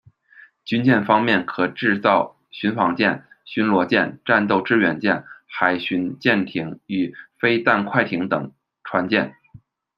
军舰方面可制造巡防舰、巡逻舰、战斗支援舰、海巡舰艇与飞弹快艇等船舰。